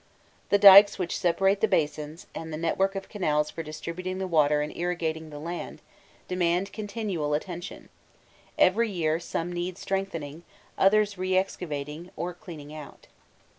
The dykes which separate the basins, and the network of canals for distributing the water and irrigating the land, demand continual attention: every year some need strengthening, others re excavating or cleaning out.